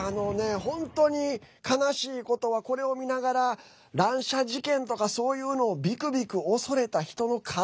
本当に、悲しいことはこれを見ながら乱射事件とか、そういうのをびくびく恐れた人の数。